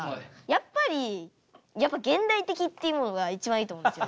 やっぱりやっぱ現代的っていうものが一番いいと思うんですよ。